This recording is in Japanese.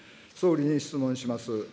総理に質問します。